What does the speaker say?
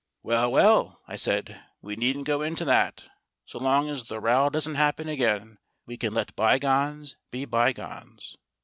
"Well, well," I said, "we needn't go into that. So long as the row doesn't happen again, we can let bygones be bygones."